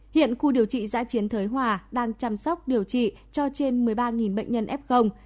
hiện khu điều trị giã chiến thới hòa đang chăm sóc điều trị cho trên một mươi ba bệnh nhân f